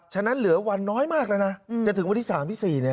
ฉะนั้นเหลือวันน้อยมากแล้วนะจะถึงวันที่๓ที่๔เนี่ย